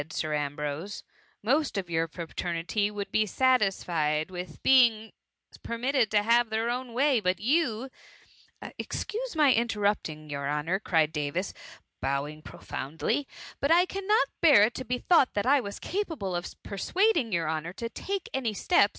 Sir Ambrose ;" most of your fraternity would be satisfied with being permitted to have their own way ; but you '* Excuse my interrupting your honour, cried Davis, bowing profoundly ;" but I can not bear it to be thought that I was capable of persuading your honour to take any steps